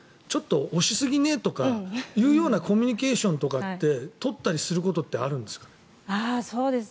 ちょっと押しすぎねとかいうようなコミュニケーションとかって取ったりすることってあるんですか？